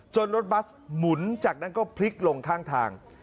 รถบัสหมุนจากนั้นก็พลิกลงข้างทาง